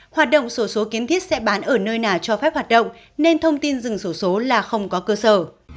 hoạt động sổ số kiến thiết sẽ bán ở nơi nào cho phép hoạt động nên thông tin dừng sổ số là không có cơ sở